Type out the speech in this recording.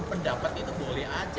pendapat itu boleh aja